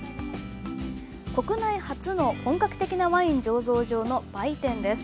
国内初の本格的なワイン醸造場の売店です。